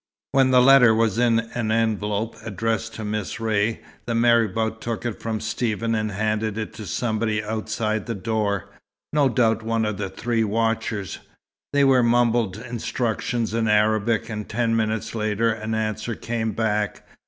When the letter was in an envelope, addressed to Miss Ray, the marabout took it from Stephen and handed it to somebody outside the door, no doubt one of the three watchers. There were mumbled instructions in Arabic, and ten minutes later an answer came back.